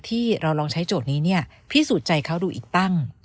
ที่เราลองใช้โจทย์นี้พิสูจน์ใจเขาดูอีกตั้ง